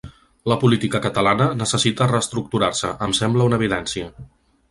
La política catalana necessita reestructurar-se, em sembla una evidència.